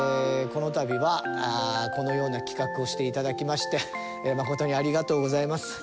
このたびはこのような企画をしていただきまして誠にありがとうございます。